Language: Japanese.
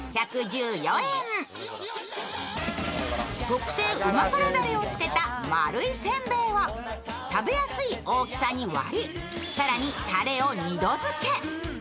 特製旨辛だれをつけた丸いせんべいは食べやすい大きさに割り、更にたれを二度づけ。